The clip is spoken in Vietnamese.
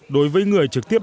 đối với người trực tiếp